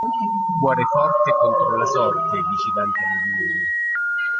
Cuor forte contro la sorte, dice Dante Alighieri.